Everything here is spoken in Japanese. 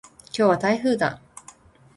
今日は台風だ。